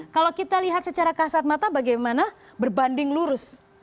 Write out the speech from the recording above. kalau kita lihat secara kasat mata bagaimana berbanding lurus